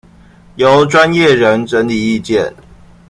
由專業人整理意見